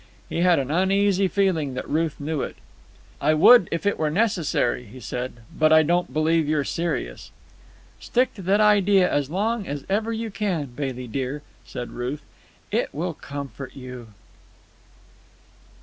He had an uneasy feeling that Ruth knew it. "I would, if it were necessary," he said. "But I don't believe you're serious." "Stick to that idea as long as ever you can, Bailey dear," said Ruth. "It will comfort you."